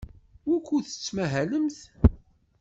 Wukud tettmahalemt?